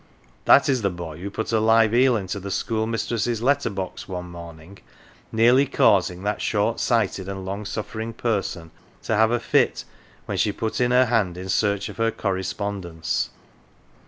That is the boy who put a live eel into the schoolmistress's letter box one morning, nearly causing that short sighted and long suffering person to have a fit when she put in her hand in search of her correspondence.